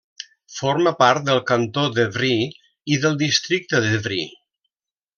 Forma part del cantó d'Évry i del districte d'Évry.